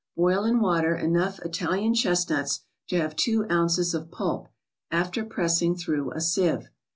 Boil in water enough Italian chestnuts to have two ounces of pulp, after pressing through a sieve.